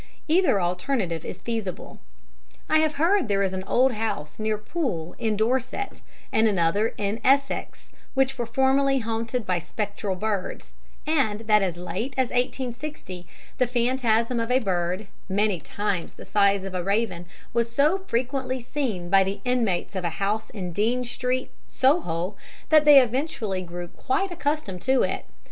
Either alternative is feasible. I have heard there is an old house near Poole, in Dorset, and another in Essex, which were formerly haunted by spectral birds, and that as late as 1860 the phantasm of a bird, many times the size of a raven, was so frequently seen by the inmates of a house in Dean Street, Soho, that they eventually grew quite accustomed to it.